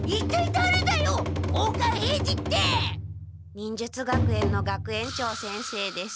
忍術学園の学園長先生です。